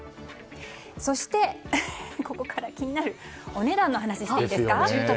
そして、ここから気になるお値段の話をしていいですか。